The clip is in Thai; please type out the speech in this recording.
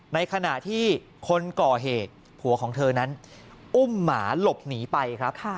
ในขณะที่คนก่อเหตุผัวของเธอนั้นอุ้มหมาหลบหนีไปครับ